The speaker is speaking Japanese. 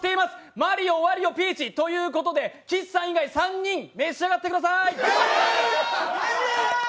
マリオ、ワリオ、ピーチということで、岸さん以外３人召し上がってください。